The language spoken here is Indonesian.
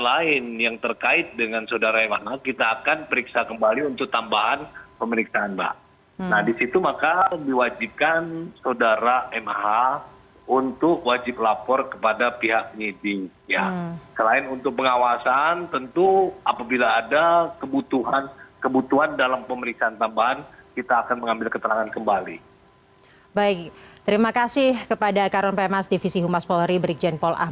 baik klarifikasi klarifikasi akan beberapa informasi yang tumpang tindih dan juga simpang siur di publik